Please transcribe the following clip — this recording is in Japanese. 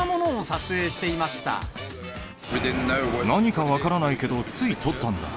何か分からないけど、つい撮ったんだ。